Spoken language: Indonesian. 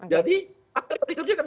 jadi akan dikerjakan